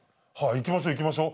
行きましょ行きましょ。